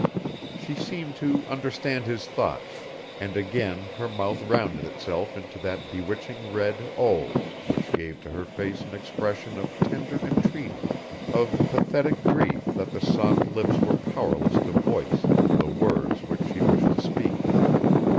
She seemed to understand his thoughts, and again her mouth rounded itself into that bewitching red O, which gave to her face an expression of tender entreaty, of pathetic grief that the soft lips were powerless to voice, the words which she wished to speak.